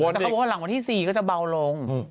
แต่เขาบอกว่าหลังวันที่๔ก็จะเบาลง